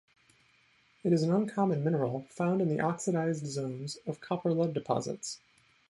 It is an uncommon mineral found in the oxidized zones of copper-lead deposits.